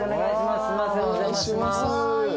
すいませんお邪魔します。